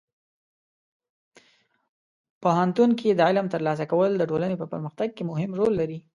پوهنتون کې د علم ترلاسه کول د ټولنې په پرمختګ کې مهم رول لري.